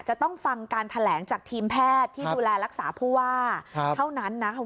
จะต้องฟังการแถลงจากทีมแพทย์ที่ดูแลรักษาผู้ว่าเท่านั้นนะ